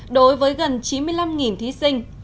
đối với gần chín mươi năm thí sinh